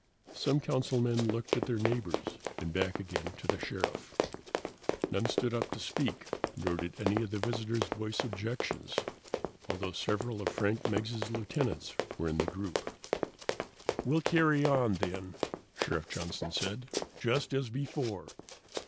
Some councilmen looked at their neighbors and back again to the Sheriff. None stood up to speak, nor did any of the visitors voice objections, although several of Frank Meggs' lieutenants were in the group. "We'll carry on, then," Sheriff Johnson said, "just as before.